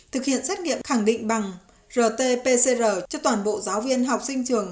thực hiện xét nghiệm khẳng định bằng rt pcr cho toàn bộ giáo viên học sinh trường